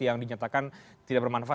yang dinyatakan tidak bermanfaat